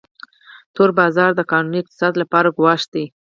تور بازار د قانوني اقتصاد لپاره ګواښ دی